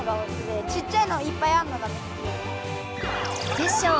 テッショウ